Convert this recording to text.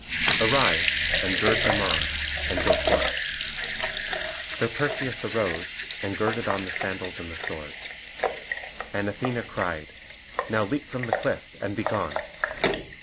Arise, and gird them on, and go forth." So Perseus arose, and girded on the sandals and the sword. And Athene cried, "Now leap from the cliff and be gone."